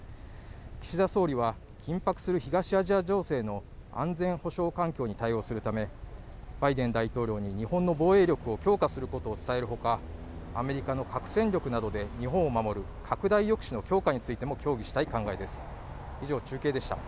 岸田総理は緊迫する東アジア情勢の安全保障環境に対応するためバイデン大統領に日本の防衛力を強化することを伝えるほかアメリカの核戦力などで日本を守る拡大抑止についても強化についても協議したい考えです。